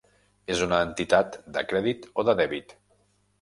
És una entitat de crèdit o de dèbit?